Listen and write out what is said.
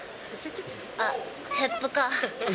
あっ、ヘップか。